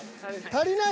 足りない？